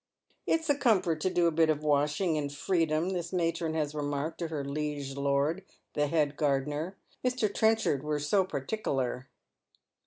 " It's a comfort to do a bit of washing in freedom," this matron lias remarked to her liege lord, the head gardener. " Mr. Tren chard were so partikeller."